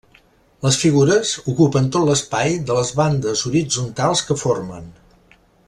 Les figures ocupen tot l'espai de les bandes horitzontals que formen.